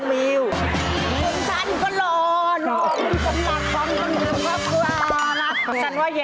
แม่เลย